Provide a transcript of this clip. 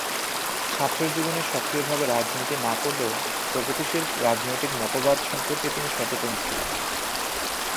ছাত্র জীবনে সক্রিয়ভাবে রাজনীতি না করলেও প্রগতিশীল রাজনৈতিক মতবাদ সম্পর্কে তিনি সচেতন ছিলেন।